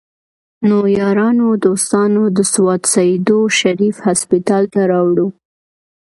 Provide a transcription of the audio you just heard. نو يارانو دوستانو د سوات سيدو شريف هسپتال ته راوړو